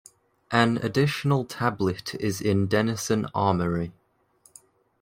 An additional tablet is in Denison Armoury.